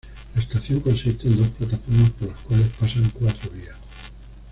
La estación consiste en dos plataformas por los cuales pasan cuatro vías.